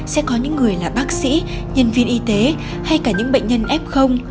sẽ có những người là bác sĩ nhân viên y tế hay cả những bệnh nhân f